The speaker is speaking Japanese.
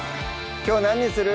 きょう何にする？